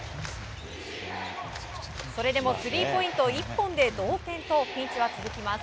それでもスリーポイント１本で同点とピンチが続きます。